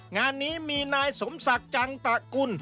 งานนี้มีนายสมศักดิ์จังตะกุล